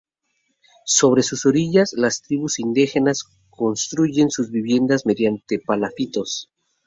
Sobre sus orillas las tribus de indígenas construyen sus viviendas mediante palafitos.